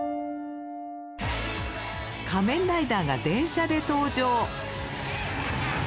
仮面ライダーが電車で登場！